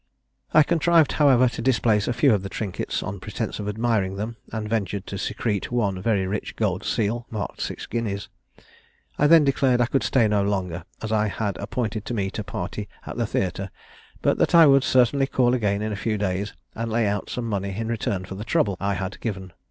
I contrived, however, to displace a few of the trinkets, on pretence of admiring them, and ventured to secrete one very rich gold seal, marked six guineas. I then declared I could stay no longer, as I had appointed to meet a party at the theatre; but that I would certainly call again in a few days, and lay out some money in return for the trouble I had given.